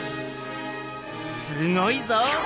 すごいぞ！